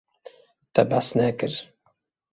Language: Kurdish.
Te behs nekir.